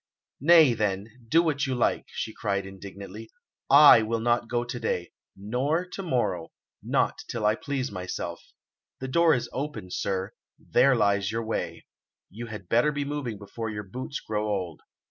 "Nay, then, do what you like," she cried indignantly; "I will not go to day no, nor to morrow, not till I please myself. The door is open, sir; there lies your way; you had better be moving before your boots grow old.